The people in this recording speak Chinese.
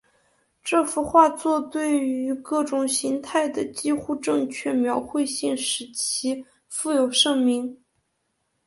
这幅画作对于各种形态的几乎正确描绘性使其负有盛名。